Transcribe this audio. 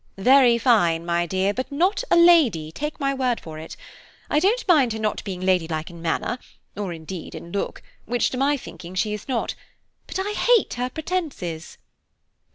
"Very fine, my dear, but not a lady, take my word for it; I don't mind her not being ladylike in manner, nor, indeed, in look, which to my thinking she is not, but I hate her pretences."